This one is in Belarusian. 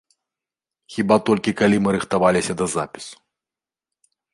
Хіба толькі калі мы рыхтаваліся да запісу.